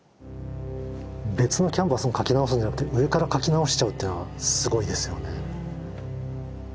別のキャンバスに描き直すんじゃなくて上から描き直しちゃうってのはすごいですよね。